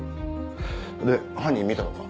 で犯人見たのか？